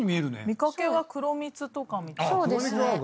見掛けは黒蜜とかみたい。